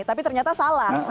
tapi ternyata salah